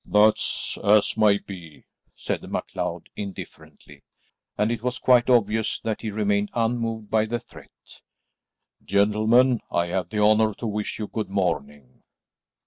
"That's as may be," said the MacLeod indifferently, and it was quite obvious that he remained unmoved by the threat. "Gentlemen, I have the honour to wish you good morning."